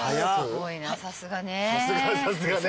すごいなさすがね。